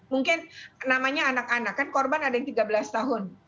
mungkin namanya anak anak kan korban ada yang tiga belas tahun